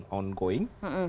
kami menggugat secara personal